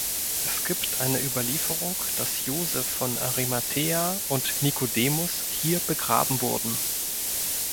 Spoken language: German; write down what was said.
Es gibt eine Überlieferung, dass Joseph von Arimathäa und Nikodemus hier begraben wurden.